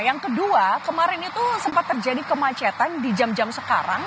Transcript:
yang kedua kemarin itu sempat terjadi kemacetan di jam jam sekarang